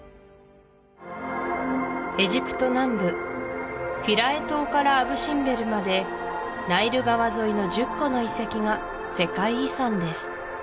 エジプト南部フィラエ島からアブ・シンベルまでナイル川沿いの１０個の遺跡が世界遺産です